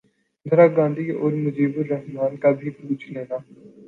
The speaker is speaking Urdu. اندرا گاندھی اور مجیب الر حمن کا بھی پوچھ لینا